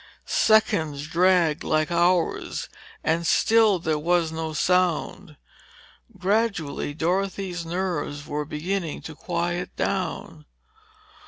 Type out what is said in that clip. Seconds dragged like hours and still there was no sound. Gradually, Dorothy's nerves were beginning to quiet down.